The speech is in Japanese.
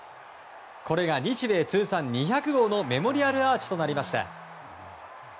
これが日米通算２００号のメモリアルアーチとなりました。